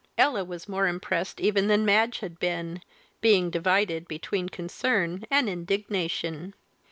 Ella was more impressed even than Madge had been being divided between concern and indignation.